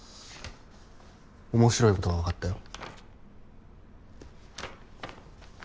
おもしろいことが分かったよ。